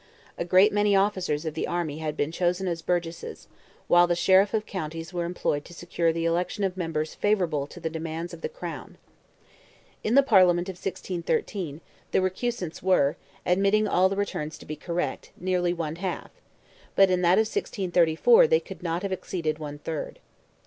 A great many officers of the army had been chosen as Burgesses, while the Sheriffs of counties were employed to secure the election of members favourable to the demands of the Crown. In the Parliament of 1613 the recusants were, admitting all the returns to be correct, nearly one half; but in that of 1634 they could not have exceeded one third.